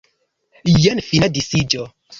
Jen fina disiĝo.